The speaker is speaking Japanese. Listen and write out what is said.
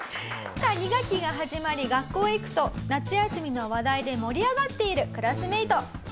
さあ２学期が始まり学校へ行くと夏休みの話題で盛り上がっているクラスメート。